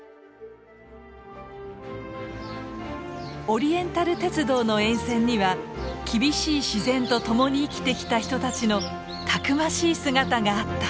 オリエンタル鉄道の沿線には厳しい自然とともに生きてきた人たちのたくましい姿があった。